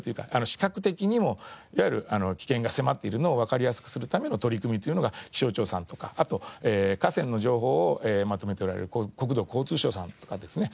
視覚的にも危険が迫っているのをわかりやすくするための取り組みというのが気象庁さんとかあと河川の情報をまとめておられる国土交通省さんとかですね